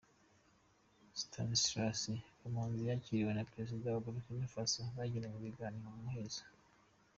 Stanslas Kamanzi yakiriwe na Perezida wa Burkina Faso, bagirana ibiganiro mu muhezo.